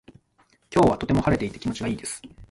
今日はとても晴れていて気持ちがいいです。